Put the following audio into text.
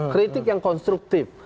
kritik yang konstruktif